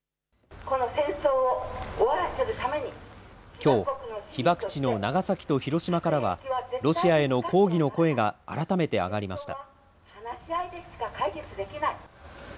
きょう、被爆地の長崎と広島からは、ロシアへの抗議の声が改めて上がりました。